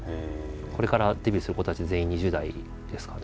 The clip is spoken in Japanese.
これからデビューする子たち全員２０代ですからね。